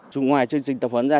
trong ngoài chương trình tập huấn ra